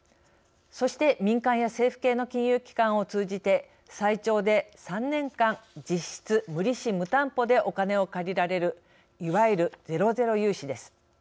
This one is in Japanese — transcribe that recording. そして民間や政府系の金融機関を通じて最長で３年間実質無利子・無担保でお金を借りられるいわゆる、ゼロゼロ融資です。